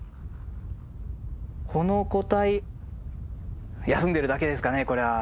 この個体休んでるだけですかねこれは。